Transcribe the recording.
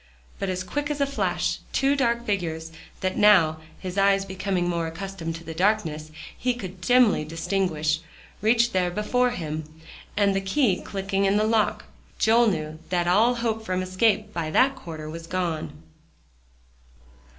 But as quick as a flash, two dark figures, that now, his eyes becoming more accustomed to the darkness, he could dimly distinguish, reached there before him, and the key clicking in the lock, Joel knew that all hope from escape by that quarter was gone.